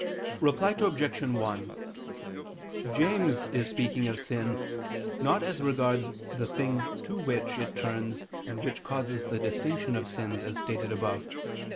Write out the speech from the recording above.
Reply Obj. 1: James is speaking of sin, not as regards the thing to which it turns and which causes the distinction of sins, as stated above (Q.